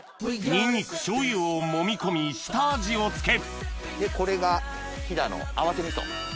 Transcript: ニンニクしょうゆをもみ込み下味を付けるこれが飛騨の。